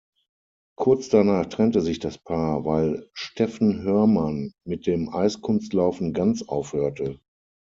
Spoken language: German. Kurz danach trennte sich das Paar, weil Steffen Hörmann mit dem Eiskunstlaufen ganz aufhörte.